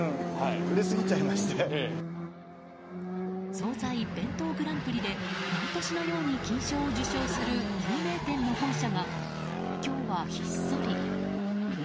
惣菜・べんとうグランプリで毎年のように金賞を受賞する有名店の本社が今日はひっそり。